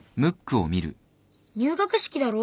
入学式だろ？